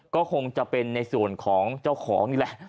ก็คงจะเป็นในส่วนของเจ้าของนี่แหละ